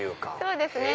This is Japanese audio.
そうですね